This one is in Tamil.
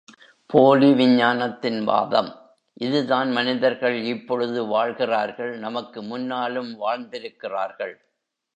போலி விஞ்ஞானத்தின் வாதம் இதுதான் மனிதர்கள் இப்பொழுது வாழ்கிறார்கள் நமக்கு முன்னாலும் வாழ்ந்திருக்கிறார்கள்.